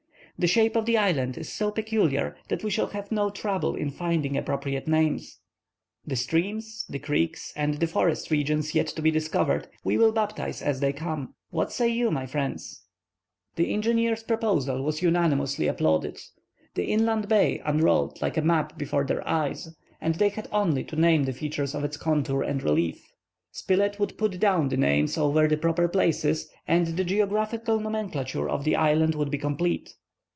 The shape of the island is so peculiar that we shall have no trouble in finding appropriate names. The streams, the creeks, and the forest regions yet to be discovered we will baptize as they come. What say you, my friends?" The engineer's proposal was unanimously applauded. The inland bay unrolled like a map before their eyes, and they had only to name the features of its contour and relief. Spilett would put down the names over the proper places, and the geographical nomenclature of the island would be complete.